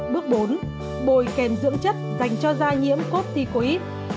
bước bốn bồi kèm dưỡng chất dành cho da nhiễm corticoid